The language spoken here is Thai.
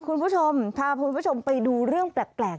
คุณผู้ชมพาคุณผู้ชมไปดูเรื่องแปลก